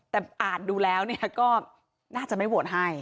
แต่อาจดูแล้วเนี่ยก็น่าจะไม่โหวตให้